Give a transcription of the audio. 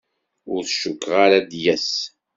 Ur t-cukkeɣ ara ad d-yas.